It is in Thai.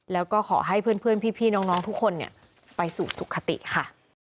แล้วก็ขอให้เพื่อนพี่น้องทุกคนไปสู่สุขติค่ะ